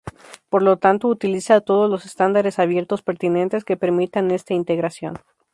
Por lo tanto, utiliza todos los estándares abiertos pertinentes que permitan esta integración.